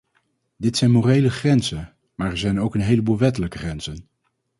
Dit zijn morele grenzen, maar er zijn ook een heleboel wettelijke grenzen.